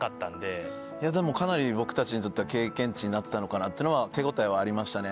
でもかなり僕たちにとっては経験値になったのかなってのは手応えはありましたね。